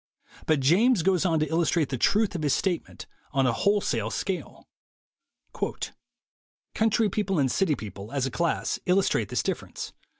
But James goes on to illustrate the truth of his statement on a whole sale scale: "Country people and city people, as a class, illus trate this difference.